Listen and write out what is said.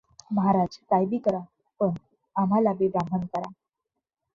महाराज काय बी करा पण आम्हालाबी ब्राह्मण करा.